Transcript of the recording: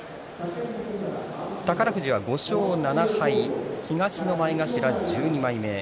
宝富士は５勝７敗東の前頭１２枚目。